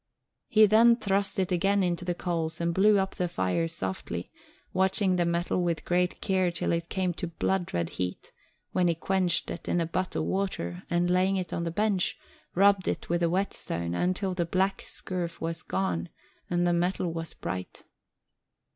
He then thrust it again into the coals and blew up the fire softly, watching the metal with great care till it came to blood red heat, when he quenched it in a butt of water and, laying it on the bench, rubbed it with a whetstone until the black scurf was gone and the metal was bright.